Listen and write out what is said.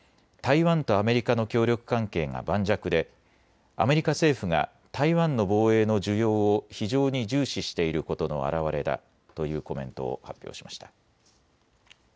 台湾とアメリカの協力関係が盤石でアメリカ政府が台湾の防衛の需要を非常に重視していることの表れだというコメントを発表しました。